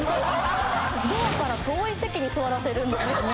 ドアから遠い席に座らせるんですよ。